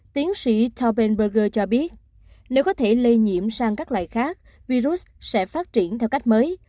tiến sĩ taubenberger cho biết nếu có thể lây nhiễm sang các loài khác virus sẽ phát triển theo cách mới